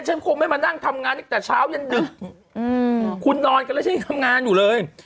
ฉันคงไม่มานั่งทำงานตั้งแต่เช้ายันดึกคุณนอนกันแล้วฉันยังทำงานอยู่เลย